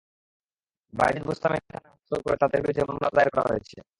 বায়েজিদ বোস্তামী থানায় হস্তান্তর করে তাঁদের বিরুদ্ধে মামলা দায়ের করা হয়েছে।